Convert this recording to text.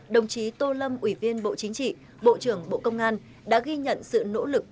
đồng chí tô lâm ủy viên bộ chính trị bộ trưởng bộ công an đã ghi nhận sự nỗ lực